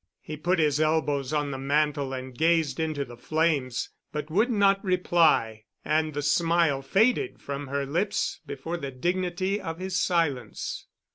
He put his elbows on the mantel and gazed into the flames, but would not reply, and the smile faded from her lips before the dignity of his silence.